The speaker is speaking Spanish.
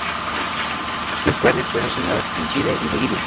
Las cuales fueron sonadas en Chile y Bolivia.